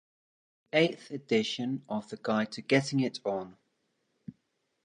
The Eighth edition of the Guide To Getting It On!